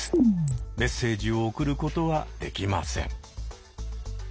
メッセージを送ることはできません。